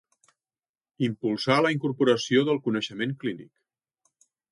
Impulsar la incorporació del coneixement clínic.